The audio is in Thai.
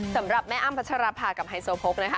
สำหรับแม่อ้ำพัชรภากับไฮโซโพกนะคะ